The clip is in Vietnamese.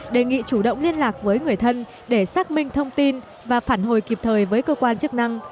đề nghị chủ động liên lạc với người thân để xác minh thông tin và phản hồi kịp thời với cơ quan chức năng